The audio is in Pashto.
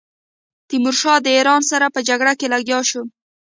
تیمورشاه د ایران سره په جګړه لګیا شو.